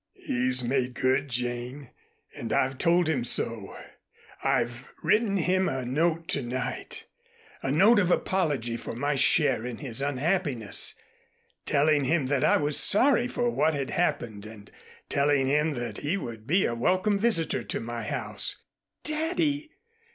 He's made good, Jane, and I've told him so. I've written him a note to night, a note of apology for my share in his unhappiness, telling him that I was sorry for what had happened and telling him that he would be a welcome visitor to my house " "Daddy!"